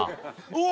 うわ！